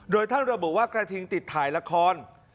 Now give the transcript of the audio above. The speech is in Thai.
โดยท่านระบุว่ากระทิงติดถ่ายละคร